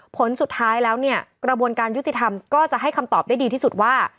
ผลสุดท้ายแล้วเนี่ยกระบวนการยุติธรรมก็จะให้คำตอบได้ดีที่สุดว่า